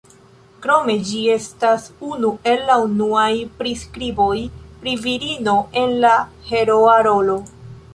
Krome ĝi estas unu el la unuaj priskriboj pri virino en la heroa rolo.